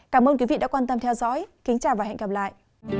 cảm ơn quý vị đã quan tâm theo dõi kính chào và hẹn gặp lại